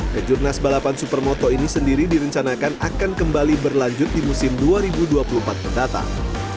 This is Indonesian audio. kejurnas balapan supermoto ini sendiri direncanakan akan kembali berlanjut di musim dua ribu dua puluh empat mendatang